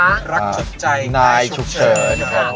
รักสุดใจนายฉุกเฉิน